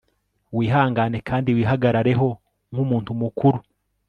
wihangane kandi wihagarareho nkumuntu mukuru